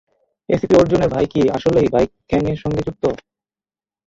ACP অর্জুনের ভাই কি, আসলেই বাইক গ্যাংয়ের সঙ্গে যুক্ত?